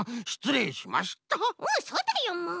うんそうだよもう！